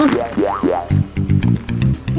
โอ๊ยหมาถึงก็สวยเลย